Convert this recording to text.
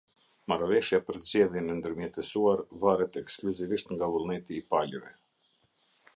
Marrëveshja për zgjedhjen e ndërmjetësuar varet ekskluzivisht nga vullneti i palëve.